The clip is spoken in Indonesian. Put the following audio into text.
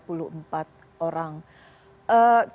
kira kira apa yang terjadi